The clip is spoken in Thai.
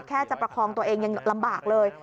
แค่จะประคองตัวเองยังลำบากเลย